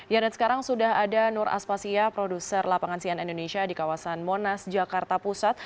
ya dan sekarang sudah ada nur aspasia produser lapangan sian indonesia di kawasan monas jakarta pusat